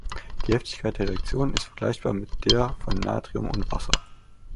Die Heftigkeit der Reaktion ist vergleichbar mit der von Natrium und Wasser.